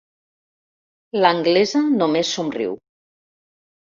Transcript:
L'anglesa només somriu.